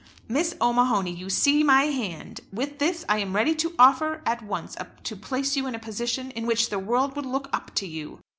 "Miss O'Mahony, you see my hand; with this I am ready to offer at once to place you in a position in which the world would look up to you."